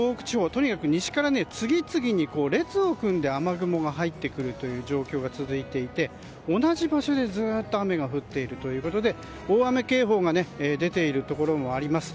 とにかく西から次々に列を組んで雨雲が入ってくるという状況が続いていて続いていて同じ場所でずっと雨が降っているということで大雨警報が出ているところもあります。